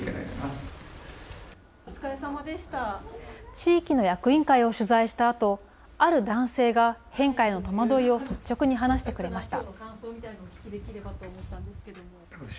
地域の役員会を取材したあと、ある男性が変化への戸惑いを率直に話してくれました。